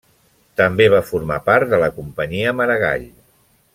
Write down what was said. També va formar part de la Companyia Maragall.